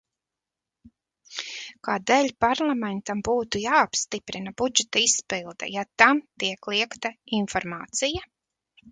Kādēļ Parlamentam būtu jāapstiprina budžeta izpilde, ja tam tiek liegta informācija?